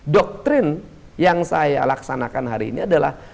doktrin yang saya laksanakan hari ini adalah